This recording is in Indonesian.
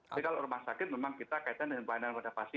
tapi kalau rumah sakit memang kita kaitan dengan pelayanan pada pasien